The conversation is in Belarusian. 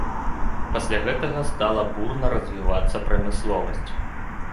Пасля гэтага стала бурна развівацца прамысловасць.